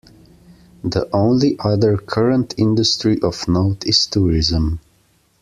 The only other current industry of note is tourism.